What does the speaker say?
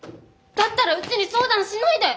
だったらうちに相談しないで。